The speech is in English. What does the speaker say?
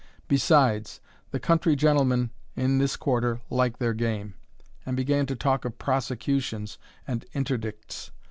Besides, the country gentlemen in this quarter like their game, and began to talk of prosecutions and interdicts.